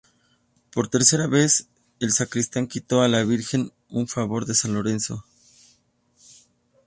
Por tercera vez el sacristán quitó a la Virgen en favor de San Lorenzo.